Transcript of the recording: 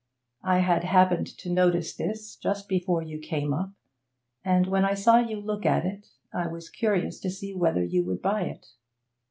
I had happened to notice this just before you came up, and when I saw you look at it, I was curious to see whether you would buy it.